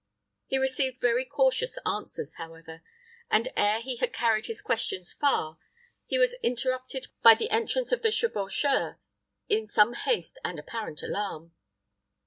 He received very cautious answers, however, and ere he had carried his questions far, he was interrupted by the entrance of the chevaucheur, in some haste and apparent alarm.